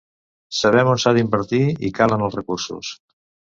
Sabem on s’ha d’invertir i calen els recursos.